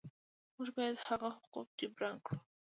موږ باید هغه حقوق جبران کړو.